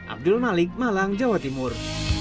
abdul malik malang jawa timur